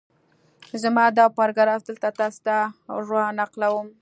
زه دا پاراګراف دلته تاسې ته را نقلوم